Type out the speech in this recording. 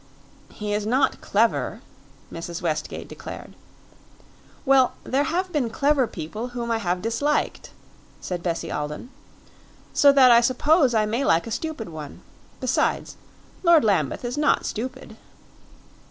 "He is not clever," Mrs. Westgate declared. "Well, there have been clever people whom I have disliked," said Bessie Alden; "so that I suppose I may like a stupid one. Besides, Lord Lambeth is not stupid."